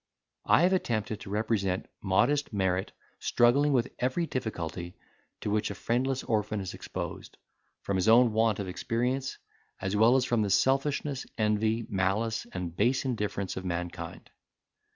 I have attempted to represent modest merit struggling with every difficulty to which a friendless orphan is exposed, from his own want of experience, as well as from the selfishness, envy, malice, and base indifference of mankind.